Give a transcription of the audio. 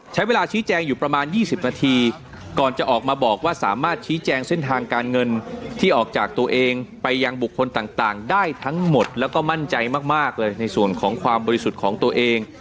ใช้เวลาชี้แจงอยู่ประมาณ๒๐นาทีก่อนจะออกมาบอกว่าสามารถชี้แจงเส้นทางการเงินที่ออกจากตัวเองไปยังบุคคลต่างได้ทั้งหมดแล้วก็มั่นใจมากเลยในส่วนของความบริสุทธิ์ของตัวเอง